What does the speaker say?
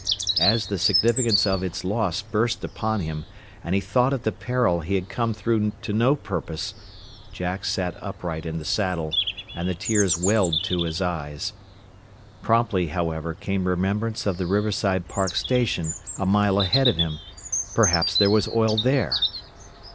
As the significance of its loss burst upon him, and he thought of the peril he had come through to no purpose, Jack sat upright in the saddle, and the tears welled to his eyes. Promptly, however, came remembrance of the Riverside Park station, a mile ahead of him. Perhaps there was oil there!